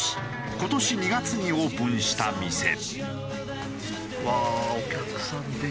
今年２月にオープンした店。